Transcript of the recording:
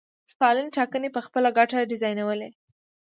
ستالین ټاکنې په خپله ګټه ډیزاینولې.